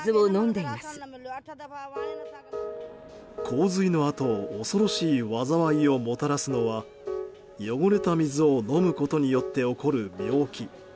洪水のあと恐ろしい災いをもたらすのは汚れた水を飲むことによって起こる病気。